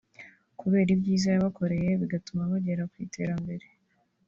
kubera ibyiza yabakoreyee bigatuma bagera ku iterambere